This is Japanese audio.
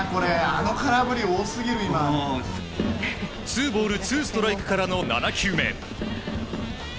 ツーボールツーストライクからの７球目。